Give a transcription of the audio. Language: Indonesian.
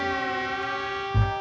masih bunga juga udah